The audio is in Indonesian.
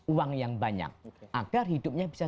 uang yang banyak agar hidupnya bisa